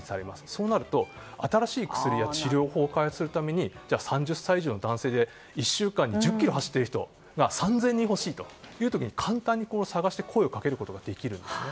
そうなると新しい薬や治療法を開発するために３０歳以上の男性で１週間に１０ｋｍ走っている人が３０００人欲しいという時に簡単に探して声をかけることができるんですね。